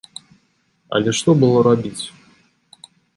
Але што было рабіць?